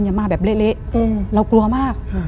อย่ามาแบบเละเรากลัวมาก